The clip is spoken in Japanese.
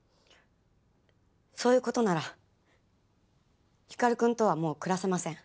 そういうことなら光くんとはもう暮らせません。